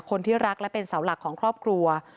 คนที่รักและเป็นเสาหลักของครอบครัว